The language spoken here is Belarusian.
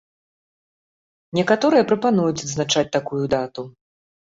Некаторыя прапануюць адзначаць такую дату.